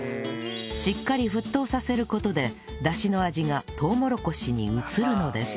しっかり沸騰させる事でダシの味がとうもろこしに移るのです